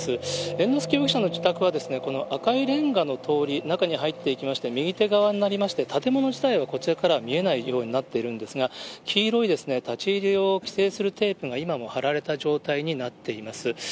猿之助容疑者の自宅は、この赤いレンガの通り、中に入っていきまして右手側になりまして、建物自体はこちらからは見えないようになっているんですが、黄色い立ち入りを規制するテープが今も張られた状態になっています。